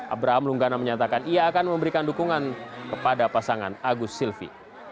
abraham lunggana menyatakan ia akan memberikan dukungan kepada pasangan agus silvi